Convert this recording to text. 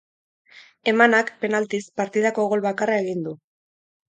Emanak, penaltiz, partidako gol bakarra egin du.